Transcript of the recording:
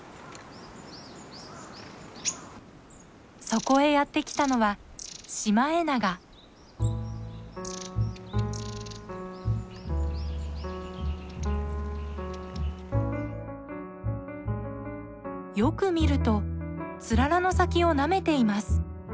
そこへやって来たのはよく見るとつららの先をなめています。